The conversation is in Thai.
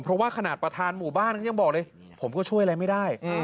เพราะว่าขนาดประธานหมู่บ้านเขายังบอกเลยผมก็ช่วยอะไรไม่ได้